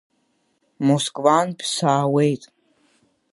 Москвантә саауеит.